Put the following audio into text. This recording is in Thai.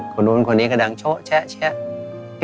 คนโน้นคนนี้ก็ดังโช๊ะแช๊แช๊